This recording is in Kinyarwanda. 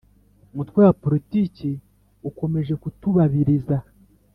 Umutwe wa politiki ukomeje kutubabiriza